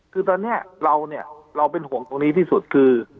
คือตอนนี้เราเนี่ยเราเป็นห่วงตรงนี้ที่สุดคือ